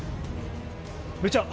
部長